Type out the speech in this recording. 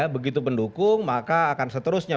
begitu pendukung maka akan seterusnya